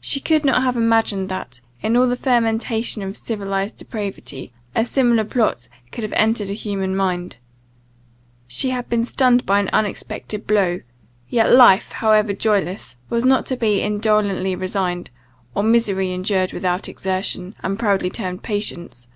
She could not have imagined, that, in all the fermentation of civilized depravity, a similar plot could have entered a human mind. She had been stunned by an unexpected blow; yet life, however joyless, was not to be indolently resigned, or misery endured without exertion, and proudly termed patience.